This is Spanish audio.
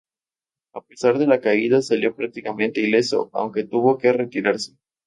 A pesar de la caída salió prácticamente ileso, aunque tuvo que retirarse.